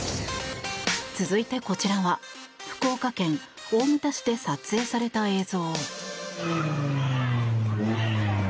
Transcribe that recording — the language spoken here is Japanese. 続いてこちらは福岡県大牟田市で撮影された映像。